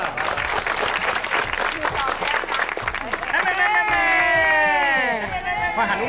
นี่คือต่อบแม่แม่